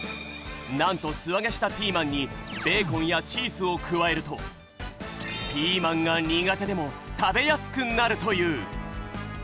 なんとすあげしたピーマンにベーコンやチーズを加えるとピーマンが苦手でも食べやすくなるという！